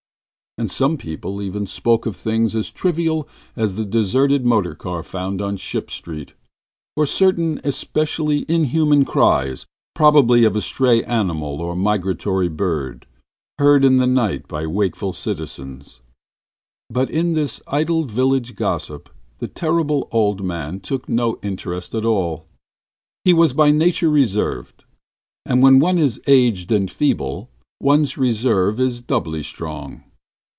And some people even spoke of things as trivial as the deserted motor car found in Ship Street, or certain especially inhuman cries, probably of a stray animal or migratory bird, heard in the night by wakeful citizens. But in this idle village gossip the Terrible Old Man took no interest at all. He was by nature reserved, and when one is aged and feeble one's reserve is doubly strong.